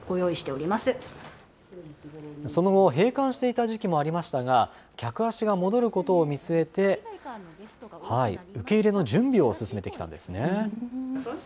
その後、閉館していた時期もありましたが、客足が戻ることを見据えて、受け入れの準備を進めてきたんですね。